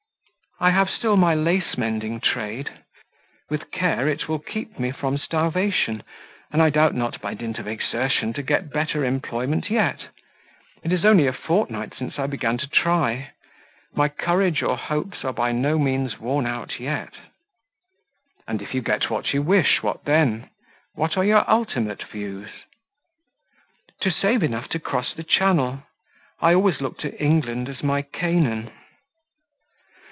"I have still my lace mending trade; with care it will keep me from starvation, and I doubt not by dint of exertion to get better employment yet; it is only a fortnight since I began to try; my courage or hopes are by no means worn out yet." "And if you get what you wish, what then? what are your ultimate views?" "To save enough to cross the Channel: I always look to England as my Canaan."